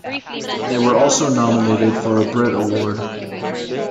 They were also nominated for a Brit Award.